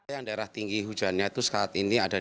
yang daerah tinggi hujannya itu sekat ini ada di jawa timur